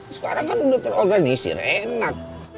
sekarang kan udah terorganisir enak